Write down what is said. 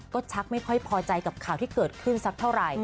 ก็ชักไม่ค่อยพอใจกับข่าวที่เกิดขึ้นสักเท่าไหร่